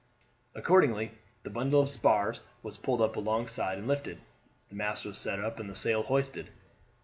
Accordingly the bundle of spars was pulled up alongside and lifted. The mast was set up and the sail hoisted.